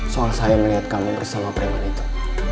soal saya melihat kamu bersama preman itu